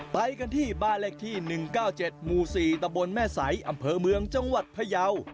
ไปกันที่บ้านเลขที่๑๙๗หมู่๔ตะบนแม่ใสอำเภอเมืองจังหวัดพยาว